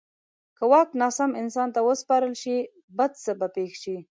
که واک ناسم انسان ته وسپارل شي، بد څه به پېښ شي.